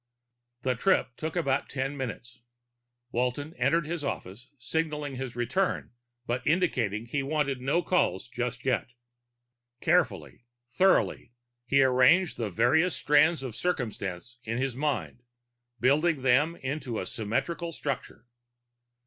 The trip took about ten minutes. Walton entered his office, signaling his return but indicating he wanted no calls just yet. Carefully, thoughtfully, he arranged the various strands of circumstance in his mind, building them into a symmetrical structure.